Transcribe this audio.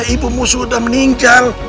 ibu mu sudah meninggal